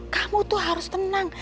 kamu tuh harus tenang